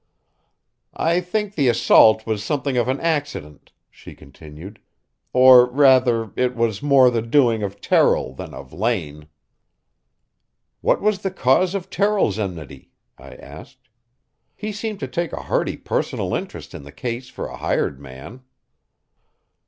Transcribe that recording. "I think the assault was something of an accident," she continued; "or, rather, it was more the doing of Terrill than of Lane." "What was the cause of Terrill's enmity?" I asked. "He seemed to take a hearty personal interest in the case for a hired man."